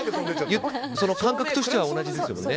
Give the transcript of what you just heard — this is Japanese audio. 感覚としては同じですよね。